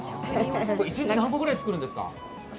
一日何個ぐらい作るんですか？